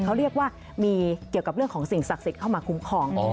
เขาเรียกว่ามีเกี่ยวกับเรื่องของสิ่งศักดิ์สิทธิ์เข้ามาคุ้มครอง